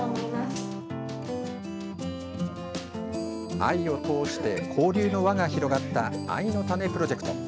藍を通して交流の輪が広がった藍のたねプロジェクト。